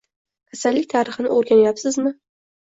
Kasallik tarixini o`rganayapsizmi